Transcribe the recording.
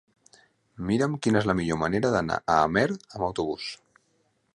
Mira'm quina és la millor manera d'anar a Amer amb autobús.